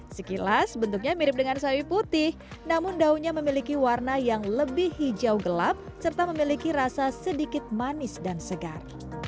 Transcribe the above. sekilas bentuknya mirip dengan sawi putih namun daunnya memiliki warna yang lebih hijau gelap serta memiliki rasa sedikit manis dan segar